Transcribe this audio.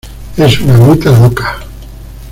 Es una meta loca".